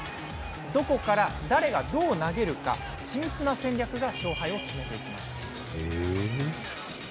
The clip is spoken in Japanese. どこから、誰が、どう投げるか緻密な戦略が勝敗を決めます。